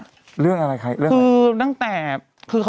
นี่คือรายการเราสบายมากเลย